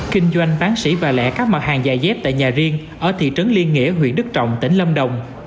kinh doanh bán sĩ và lẻ các mặt hàng giày dép tại nhà riêng ở thị trấn liên nghĩa huyện đức trọng tỉnh lâm đồng